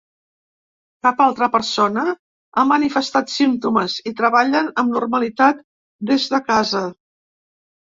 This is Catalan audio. Cap altra persona ha manifestat símptomes i treballen amb normalitat des de casa.